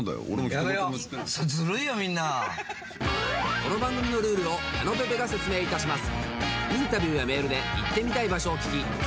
この番組のルールを矢野ぺぺが説明いたします。